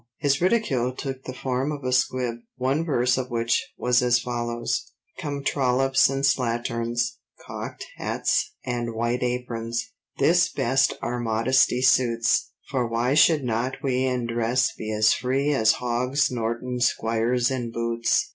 His ridicule took the form of a squib, one verse of which was as follows:— "Come Trollops and Slatterns, Cockt hats and white aprons, This best our modesty suits; For why should not we In dress be as free As Hogs Norton squires in boots."